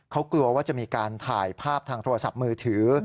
เขากลัวว่าจะมีการถ่ายภาพทางโทรศัพท์มือถือ